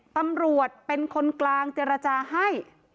ตำรวจเป็นคนกลางเจรจาให้